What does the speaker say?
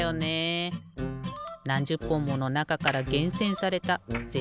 なんじゅっぽんものなかからげんせんされたぜ